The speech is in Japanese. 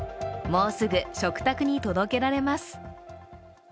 もうすぐ食卓に届けられます。